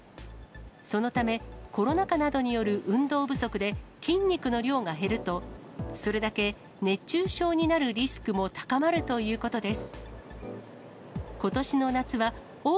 そのため、コロナ禍などによる運動不足で、筋肉の量が減ると、それだけ熱中症になるリスクも高まるということです。